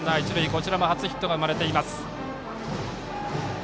こちらも初ヒット生まれています。